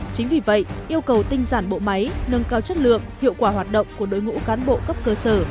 chính vì vậy yêu cầu tinh giản bộ máy nâng cao chất lượng hiệu quả hoạt động của đội ngũ cán bộ cấp cơ sở